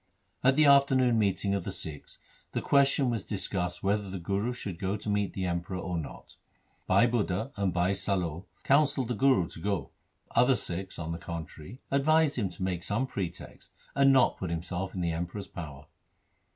At the afternoon meeting of the Sikhs the question was discussed whether the Guru should go to meet the Emperor or not. Bhai Budha and Bhai Salo counselled the Guru to go. Other Sikhs, on the contrary, advised him to make some pretext and not put himself in the Emperor's power.